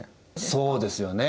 そうですよね。